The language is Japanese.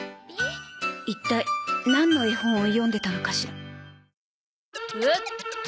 一体なんの絵本を読んでたのかしら。